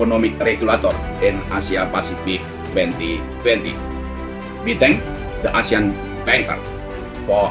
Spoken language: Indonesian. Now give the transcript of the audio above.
kami mengucapkan terima kasih kepada bank indonesia asia untuk mengucapkan penghargaan seperti ini